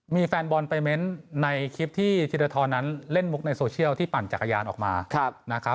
มีแฟนบอลไปเม้นต์ในคลิปที่ธีรทรนั้นเล่นมุกในโซเชียลที่ปั่นจักรยานออกมานะครับ